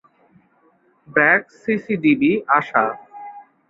BRAC, CCDB, Asha.